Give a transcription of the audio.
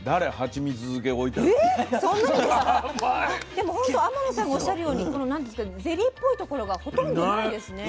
でもほんと天野さんがおっしゃるようにこのゼリーっぽいところがほとんどないですね。